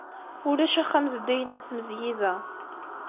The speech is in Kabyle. Ulac axxam zeddigen am tmezgida.